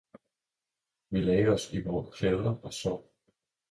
Vi lagde os i vore klæder og sov.